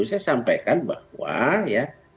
saya sampaikan bahwa ya